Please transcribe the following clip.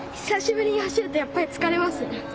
久しぶりに走るとやっぱり疲れますね。